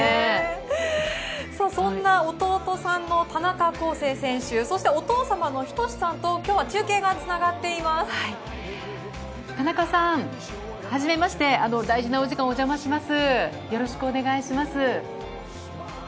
そんな弟さんの田中恒成選手、お父様の斉さんと今日は中継がつ田中さん、はじめまして、大事のお時間をお邪魔します。